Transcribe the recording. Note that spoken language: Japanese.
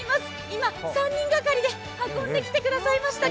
今３人がかりで運んできてくださいました。